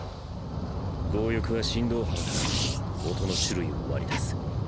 剛翼は振動幅から音の種類を割り出す。